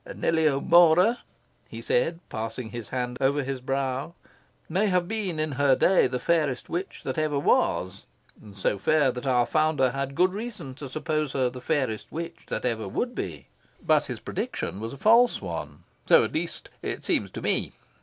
Nellie O'Mora," he said, passing his hand over his brow, "may have been in her day the fairest witch that ever was so fair that our founder had good reason to suppose her the fairest witch that ever would be. But his prediction was a false one. So at least it seems to me.